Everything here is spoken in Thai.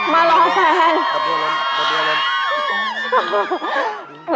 ครับรวมล้นรวมล้น